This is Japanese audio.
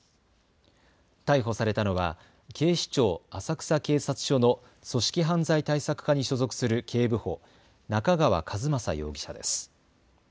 逮捕されたのは警視庁浅草警察署の組織犯罪対策課に所属する警部補、中川一政容疑者です。